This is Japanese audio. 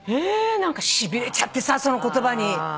何かしびれちゃってさその言葉に。